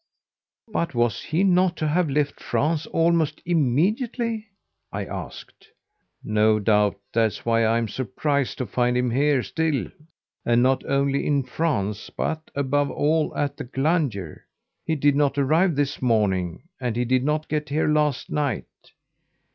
"But was he not to have left France almost immediately?" I asked. "No doubt; that's why I am surprised to find him here still, and not only in France, but above all, at the Glandier. He did not arrive this morning; and he did not get here last night.